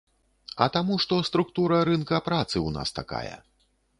А таму, што структура рынка працы ў нас такая.